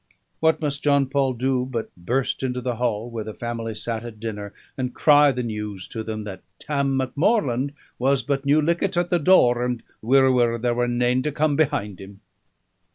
What must John Paul do but burst into the hall where the family sat at dinner, and cry the news to them that "Tam Macmorland was but new lichtit at the door, and wirra, wirra there were nane to come behind him"?